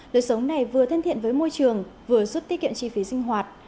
đời sống này vừa thân thiện với môi trường vừa giúp tiết kiệm chi phí sinh hoạt